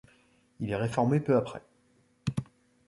Il est réformé peu après.